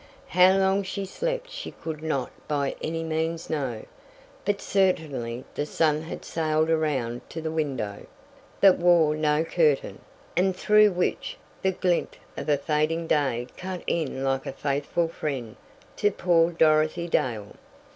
How long she slept she could not by any means know, but certainly the sun had sailed around to the window, that wore no curtain, and through which the glint of a fading day cut in like a faithful friend to poor Dorothy Dale.